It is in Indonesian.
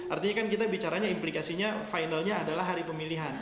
artinya kan kita bicaranya implikasinya finalnya adalah hari pemilihan